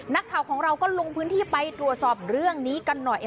นักข่าวของเราก็ลงพื้นที่ไปตรวจสอบเรื่องนี้กันหน่อย